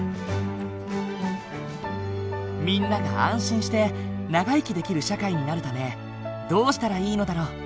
みんなが安心して長生きできる社会になるためどうしたらいいのだろう？